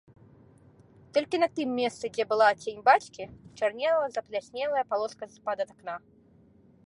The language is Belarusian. Толькі на тым месцы, дзе была цень бацькі, чарнела запляснелая палоска з-пад акна.